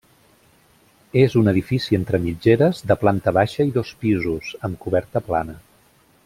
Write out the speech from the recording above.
És un edifici entre mitgeres, de planta baixa i dos pisos, amb coberta plana.